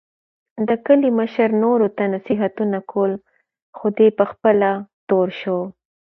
د کلي مشر نورو ته نصیحتونه کول، خو دی په خپله تور شو.